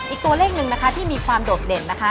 อีกตัวเลขหนึ่งนะคะที่มีความโดดเด่นนะคะ